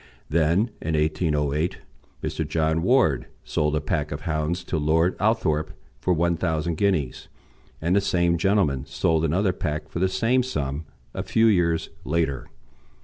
Then in 1808 Mr. John Warde sold a pack of hounds to Lord Althorpe for 1,000 guineas, and the same gentleman sold another pack for the same sum a few years later.